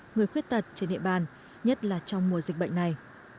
người khuyết tật trên địa bàn nhất là trong mùa dịch bệnh này